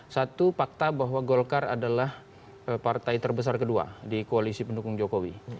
satu fakta bahwa golkar adalah partai terbesar kedua di koalisi pendukung jokowi